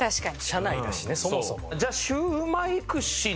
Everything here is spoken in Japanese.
車内だしねそもそも。